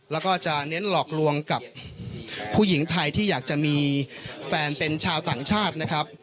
แล้วก็จะเน้นหลอกลวงกับผู้หญิงไทยที่อยากจะมีแฟนเป็นชาวต่างชาตินะครับ